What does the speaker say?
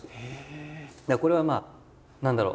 これはまあ何だろう。